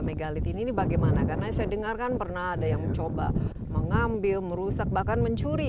megalit ini bagaimana karena saya dengar kan pernah ada yang mencoba mengambil merusak bahkan mencuri